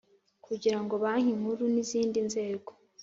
kugirango Bank Nkuru n izindi nzego